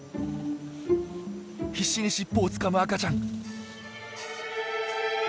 必死に尻尾をつかむ赤ちゃん。